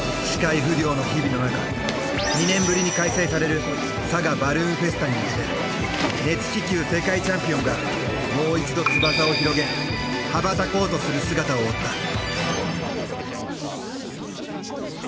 視界不良の日々のなか２年ぶりに開催される佐賀バルーンフェスタに向けて熱気球世界チャンピオンがもう一度翼を広げ羽ばたこうとする姿を追った。